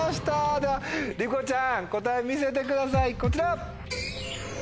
ではりこちゃん答え見せてくださいこちら！